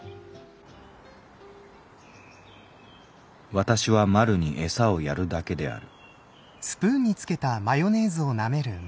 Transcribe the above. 「私はまるに餌をやるだけである」。